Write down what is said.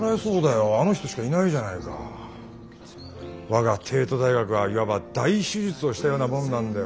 我が帝都大学はいわば大手術をしたようなもんなんだよ。